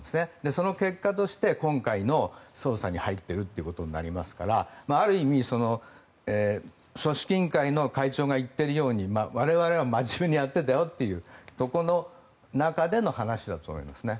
その結果として今回の捜査に入っているということになりますからある意味、組織委員会の会長が言っているように我々は真面目にやっているんだよという中での話だと思います。